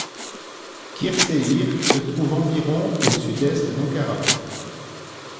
Kırşehir se trouve environ à au sud-est d'Ankara.